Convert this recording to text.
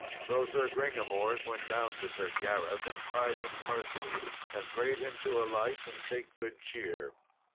So Sir Gringamors went down to Sir Gareth and cried him mercy, and prayed him to alight and take good cheer.